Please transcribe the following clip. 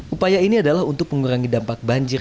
upaya ini adalah untuk mengurangi dampak banjir